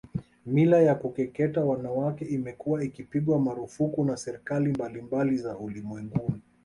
Mila ya kukeketa wanawake imekuwa ikipigwa marufuku na serikali mbalimbali za ulimwenguni